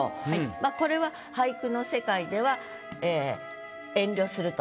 まあこれは俳句の世界では遠慮すると。